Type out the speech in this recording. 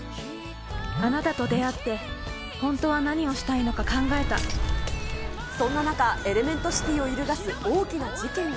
あなたと出会って、そんな中、エレメント・シティを揺るがす大きな事件が。